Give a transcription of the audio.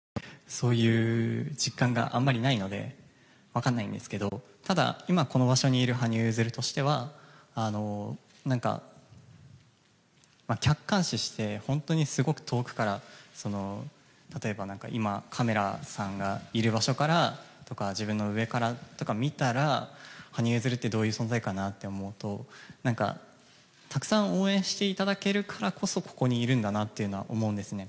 そういう実感があまりないので分かんないんですけどただ今、この場所にいる羽生結弦としては客観視して本当にすごく遠くから例えば、今カメラさんがいる場所からとか自分の上からとか見たら羽生結弦ってどういう存在かなって思うとたくさん応援していただけるからこそここにいるんだなって思うんですね。